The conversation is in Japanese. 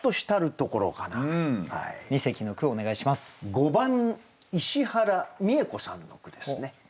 ５番石原美枝子さんの句ですね。